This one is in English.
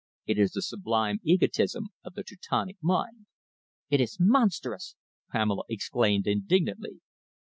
It is the sublime egotism of the Teutonic mind." "It is monstrous!" Pamela exclaimed indignantly.